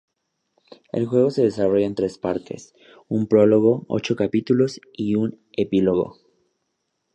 El juego se desarrolla en tres partes: un prólogo, ocho capítulos y un epílogo.